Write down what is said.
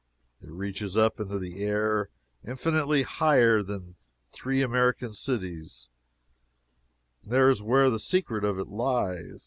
It reaches up into the air infinitely higher than three American cities, though, and there is where the secret of it lies.